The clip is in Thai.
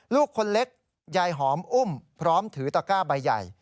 ลูกคนเล็กยายหอมอุ้มพร้อมถือตะก้าใบใหญ่